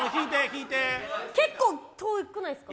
結構遠くないですか？